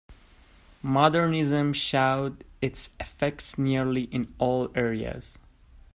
Modernism showed its effects nearly in all areas.